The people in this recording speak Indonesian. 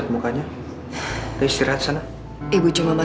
sampai jumpa di video selanjutnya